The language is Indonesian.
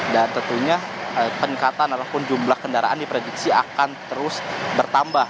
dan tentunya peningkatan ataupun jumlah kendaraan di prediksi akan terus bertambah